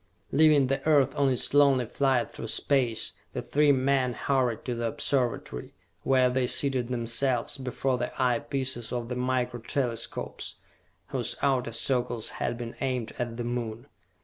Leaving the earth on its lonely flight through space, the three men hurried to the Observatory, where they seated themselves before the eye pieces of the Micro Telescopes, whose outer circles had been aimed at the Moon.